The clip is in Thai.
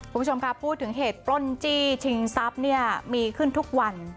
คุณผู้ชมค่ะพูดถึงเหตุปล้นจี้ชิงทรัพย์เนี่ยมีขึ้นทุกวัน